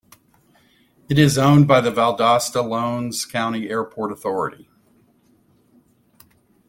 It is owned by the Valdosta-Lowndes County Airport Authority.